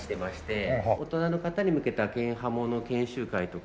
大人の方に向けたケンハモの研修会とかを。